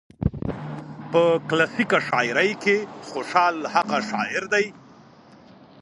په کلاسيکه شاعرۍ کې خوشال هغه شاعر دى